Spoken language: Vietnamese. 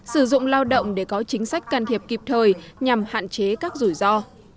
sử dụng lao động để có chính sách can thiệp kịp thời nhằm hạn chế các rủi ro